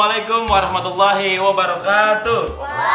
waalaikumsalam warahmatullahi wabarakatuh